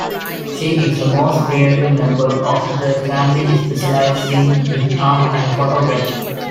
She is the most creative member of the family, specializing in art and photography.